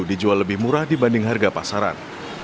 dijual lebih murah dibanding harga pasaran